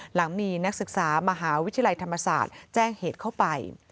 หลังมีนักศึกษามหาวิทยาลัยธรรมศาสตร์แจ้งเหตุเข้าไป